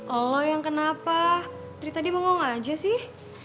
aloh yang kenapa dari tadi mau ngomong aja sih